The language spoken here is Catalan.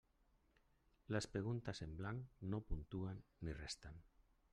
Les preguntes en blanc no puntuen ni resten.